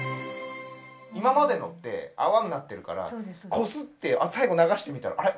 今までのって泡になってるからこすって最後流してみたらあれ？